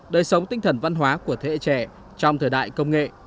đời sống tinh thần văn hóa của thế hệ trẻ trong thời đại công nghệ